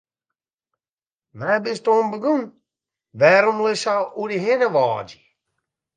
Wêr bist oan begûn, wêrom litst sa oer dy hinne wâdzje?